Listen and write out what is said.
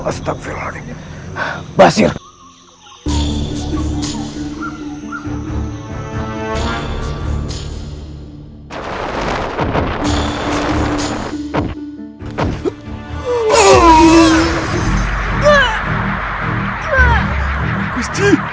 agak bahaya kelahir